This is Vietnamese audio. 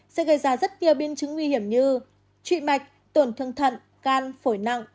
sẽ gây ra rất nhiều biên chứng nguy hiểm như trị mạch tổn thương thận can phổi nặng